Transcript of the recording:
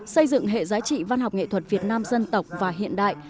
xây dựng hệ giá trị văn học nghệ thuật việt nam dân tộc và hiện đại